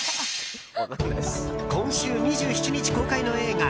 今週２７日公開の映画